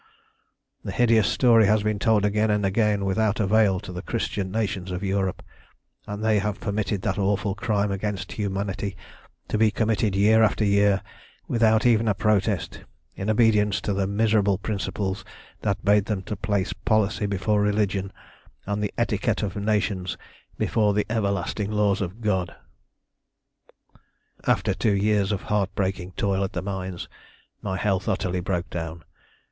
"The hideous story has been told again and again without avail to the Christian nations of Europe, and they have permitted that awful crime against humanity to be committed year after year without even a protest, in obedience to the miserable principles that bade them to place policy before religion and the etiquette of nations before the everlasting laws of God. "After two years of heartbreaking toil at the mines my health utterly broke down.